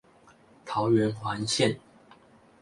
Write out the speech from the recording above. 桃園環線